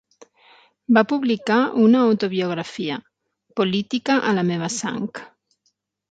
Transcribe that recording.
Va publicar una autobiografia, " Política a la meva sang".